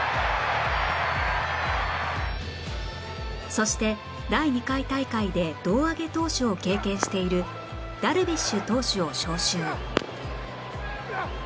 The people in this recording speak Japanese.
そして第２回大会で胴上げ投手を経験しているダルビッシュ投手を招集